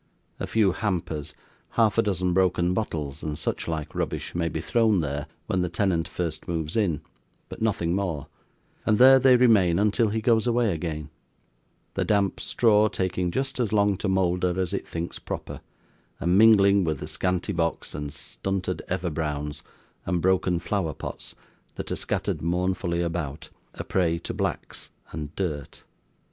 A few hampers, half a dozen broken bottles, and such like rubbish, may be thrown there, when the tenant first moves in, but nothing more; and there they remain until he goes away again: the damp straw taking just as long to moulder as it thinks proper: and mingling with the scanty box, and stunted everbrowns, and broken flower pots, that are scattered mournfully about a prey to 'blacks' and dirt.